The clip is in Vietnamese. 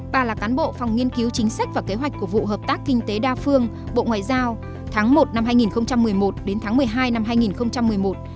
bà là cán bộ phòng nghiên cứu chính sách và kế hoạch của vụ hợp tác kinh tế đa phương bộ ngoại giao tháng một năm hai nghìn một mươi một đến tháng một mươi hai năm hai nghìn một mươi một